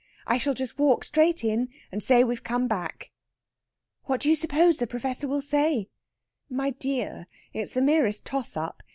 "I shall just walk straight in and say we've come back." "What do you suppose the Professor will say?" "My dear! it's the merest toss up.